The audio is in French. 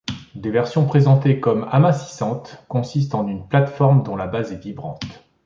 Des versions présentées comme amincissantes consistent en une plateforme dont la base est vibrante.